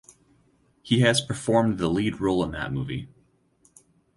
He has performed the lead role in that movie.